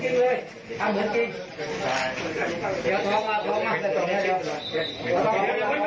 เอาเอาเอา